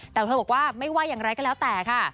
แต่เธอบอกว่าไม่ว่าอย่างไรก็แล้วแต่ค่ะ